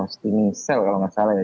stimulasi sel kalau nggak salah ya